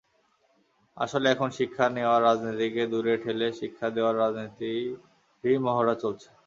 আসলে এখন শিক্ষা নেওয়ার রাজনীতিকে দূরে ঠেলে শিক্ষা দেওয়ার রাজনীতিরই মহড়া চলছে।